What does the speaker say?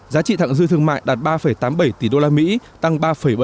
giá trị thẳng dư thương mại đạt ba tám mươi bảy tỷ usd tăng ba bảy